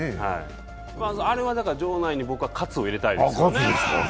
あれは場内に渇を入れたいですね。